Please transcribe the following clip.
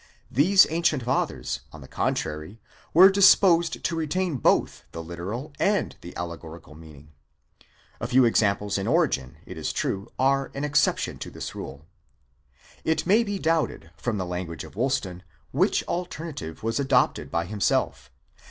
These ancient fathers, on the contrary, were disposed to retain both the literal. and the allegorical meaning. (A few examples in Origen, it is true, are an exception to this rule.) it may be doubted, from the language of Woolston, which alternative was adopted by himself.